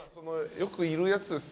よくいるやつですよね。